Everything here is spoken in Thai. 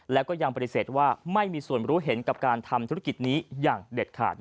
แล้วก็ยังปฏิเสธว่าไม่มีส่วนรู้เห็นกับการทำธุรกิจนี้อย่างเด็ดขาด